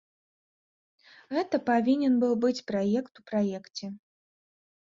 Гэта павінен быў быць праект у праекце.